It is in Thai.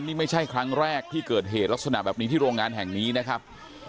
นี่ไม่ใช่ครั้งแรกที่เกิดเหตุลักษณะแบบนี้ที่โรงงานแห่งนี้นะครับ